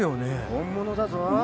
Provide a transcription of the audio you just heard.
本物だぞ。